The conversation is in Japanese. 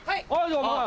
はい。